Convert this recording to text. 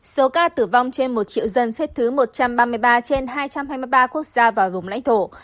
số ca tử vong trên một triệu dân xếp thứ một trăm ba mươi ba trên hai trăm hai mươi ba quốc gia và vùng lãnh thổ